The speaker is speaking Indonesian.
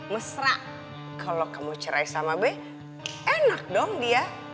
mesra kalau kamu cerai sama be enak dong dia